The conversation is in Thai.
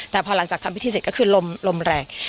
แต่พอหลังจากทำพิธีเสร็จก็คือลมแรง